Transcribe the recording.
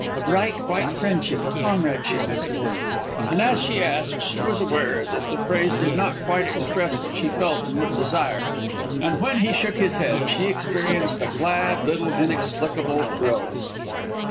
A bright, white friendship, a comradeship, as it were?" And as she asked, she was aware that the phrase did not quite express what she felt and would desire. And when he shook his head, she experienced a glad little inexplicable thrill.